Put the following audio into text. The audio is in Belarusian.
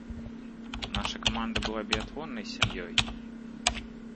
Наша каманда была біятлоннай сям'ёй!!!